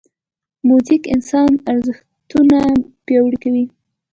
موزیک انساني ارزښتونه پیاوړي کوي.